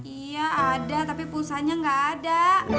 iya ada tapi pulsanya nggak ada